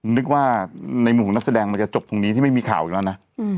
นึกว่าในมุมของนักแสดงมันจะจบตรงนี้ที่ไม่มีข่าวอยู่แล้วนะ